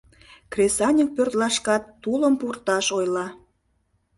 Кресаньык пӧртлашкат тулым пурташ ойла.